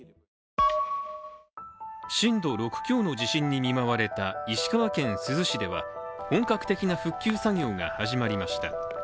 震度６強の地震に見舞われた石川県珠洲市では本格的な復旧作業が始まりました。